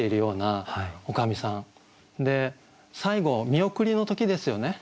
最後見送りの時ですよね